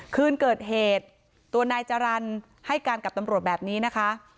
คืนเกิดเหตุตัวนายจรรย์ให้การกับตำรวจแบบนี้นะคะ